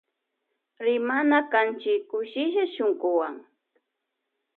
Rimana kanchi kushilla shunkuwan.